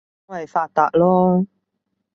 因爲發達囉